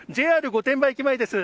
ＪＲ御殿場駅前です。